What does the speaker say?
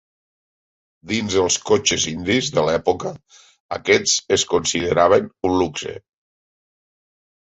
Dins dels cotxes indis de l'època, aquests es consideraven un luxe.